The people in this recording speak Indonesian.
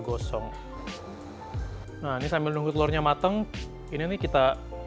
gosong ini sambil nunggu telurnya mateng ini kita